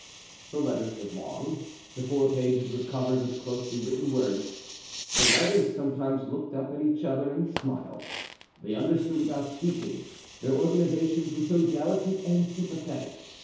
The letters were long—the four pages were covered with closely written words. The writers sometimes looked up at each other and smiled; they understood without speaking, their organizations were so delicate and sympathetic.